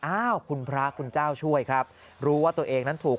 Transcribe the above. อ้าวคุณพระคุณเจ้าช่วยครับรู้ว่าตัวเองนั้นถูก